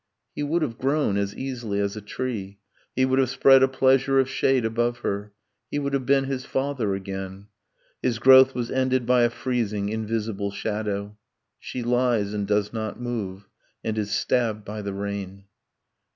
He would have grown as easily as a tree, He would have spread a pleasure of shade above her, He would have been his father again ... His growth was ended by a freezing invisible shadow. She lies, and does not move, and is stabbed by the rain.